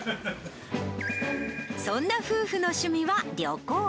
そんな夫婦の趣味は旅行。